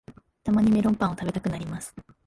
たまにメロンパンを食べたくなります